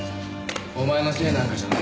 お前のせいなんかじゃない。